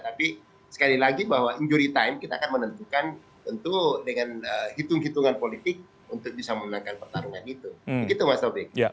tapi sekali lagi bahwa in juri time kita akan menentukan tentu dengan hitung hitungan politik untuk bisa memenangkan pertarungan itu